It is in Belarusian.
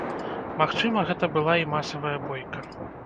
Магчыма, гэта была і масавая бойка.